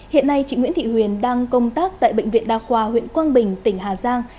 hiện nay chị nguyễn thị huyền đang công tác tại bệnh viện đa khoa huyện quang bình tỉnh hà giang